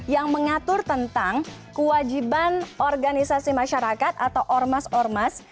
yang mengatur tentang kewajiban organisasi masyarakat atau ormas ormas